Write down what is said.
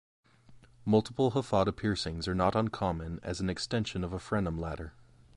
Multiple hafada piercings are not uncommon as an extension of a frenum ladder.